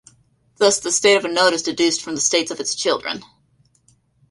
Thus the state of a node is deduced from the states of its children.